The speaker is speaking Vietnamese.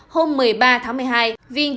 hôm một mươi ba tháng một mươi hai